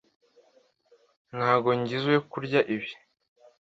Ntabwo ngizoe kurya ibi.